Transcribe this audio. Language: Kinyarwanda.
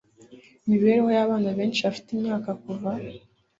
Imibereho yabana benshi bafite imyaka kuva